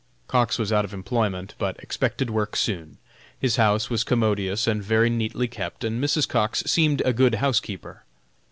Cox was out of employment, but expected work soon; his house was commodious and very neatly kept, and Mrs. Cox seemed a good housekeeper.